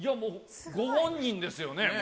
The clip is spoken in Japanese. ご本人ですよね。